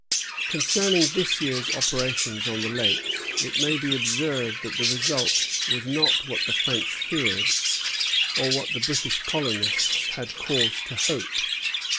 Concerning this year's operations on the Lakes, it may be observed that the result was not what the French feared, or what the British colonists had cause to hope.